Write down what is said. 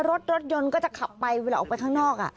รถยนต์ก็จะขับไปเวลาออกไปข้างนอก